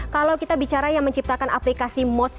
kalau kita bicara yang menciptakan aplikasi modz ini terdapat apa